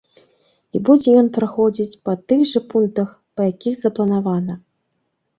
І будзе ён праходзіць па тых жа пунктах, па якіх запланавана.